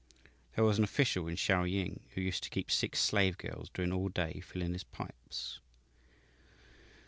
"There was an official in Shau ying who used to keep six slave girls going all day filling his pipes.